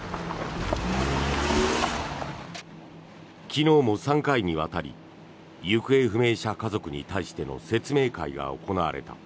昨日も３回にわたり行方不明者家族に対しての説明会が行われた。